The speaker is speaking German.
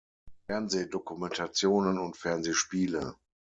Fernsehdokumentationen und Fernsehspiele